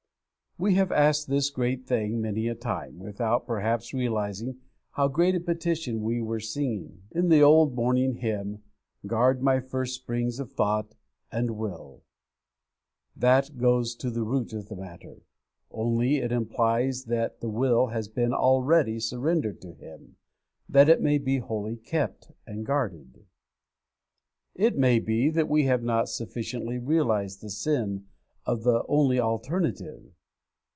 _ We have asked this great thing many a time, without, perhaps, realizing how great a petition we were singing, in the old morning hymn, 'Guard my first springs of thought and will!' That goes to the root of the matter, only it implies that the will has been already surrendered to Him, that it may be wholly kept and guarded. It may be that we have not sufficiently realized the sin of the only alternative.